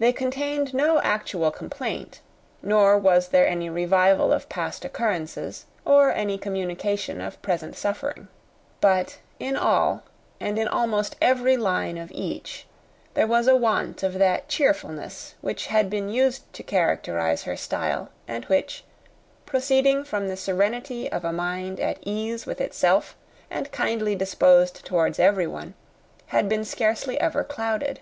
They contained no actual complaint, nor was there any revival of past occurrences, or any communication of present suffering. But in all, and in almost every line of each, there was a want of that cheerfulness which had been used to characterize her style, and which, proceeding from the serenity of a mind at ease with itself, and kindly disposed towards everyone, had been scarcely ever clouded.